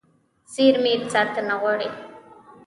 زېرمې ساتنه غواړي.